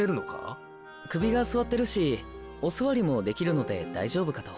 首がすわってるしお座りもできるので大丈夫かと。